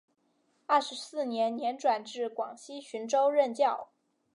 二十四年年转至广西浔州任教。